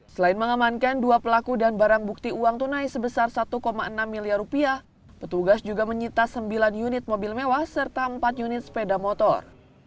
selain mengamankan dua pelaku dan barang bukti uang tunai sebesar satu enam miliar rupiah petugas juga menyita sembilan unit mobil mewah serta empat unit sepeda motor